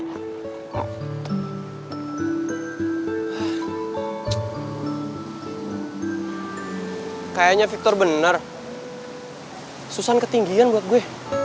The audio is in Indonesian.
cek kayaknya victor bener susah ketinggian buat gue